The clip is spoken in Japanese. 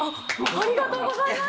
ありがとうございます。